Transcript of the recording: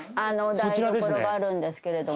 台所があるんですけれども。